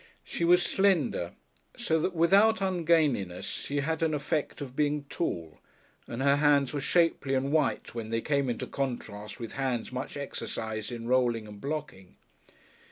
She was slender, so that without ungainliness she had an effect of being tall, and her hands were shapely and white when they came into contrast with hands much exercised in rolling and blocking.